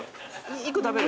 １個食べる？